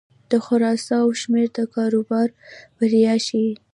د خرڅلاو شمېره د کاروبار بریا ښيي.